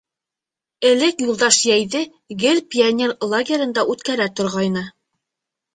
Элек Юлдаш йәйҙе гел пионер лагерҙарында үткәрә торғайны.